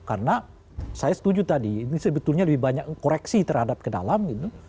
karena saya setuju tadi ini sebetulnya lebih banyak koreksi terhadap ke dalam gitu